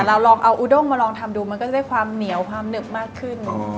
เราลองเอาอุด้งมาลองทำดูมันก็จะได้ความเหนียวความหนึบมากขึ้น